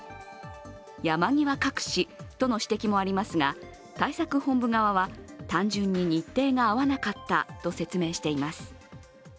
山際隠しとの指摘もありますが、対策本部側は、単純に日程が合わなかったと説明しています。